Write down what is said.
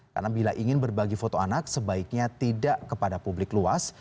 karena bila ingin berbagi foto anak sebaiknya tidak kepada publik luas